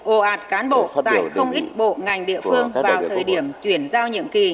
ồ ạt cán bộ tại không ít bộ ngành địa phương vào thời điểm chuyển giao nhiệm kỳ